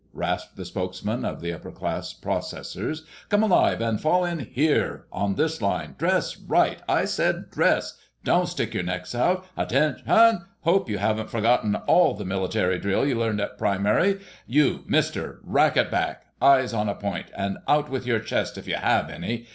rasped the spokesman of the upperclass "processors." "Come alive and fall in—here, on this line. Dress right! I said dress—don't stick your necks out. Atten shun! Hope you haven't forgotten all the military drill you learned at primary. You, Mister! Rack it back. Eyes on a point. And out with your chest if you have any.